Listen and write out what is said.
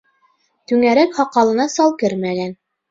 Түңәрәк һаҡалына сал кермәгән.